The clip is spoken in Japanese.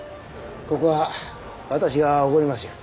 ここは私がおごりますよ。